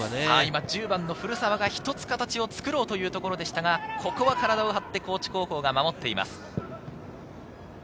１０番・古澤が一つ形を作ろうというところでしたが、ここは体を張って高知高校が守っています。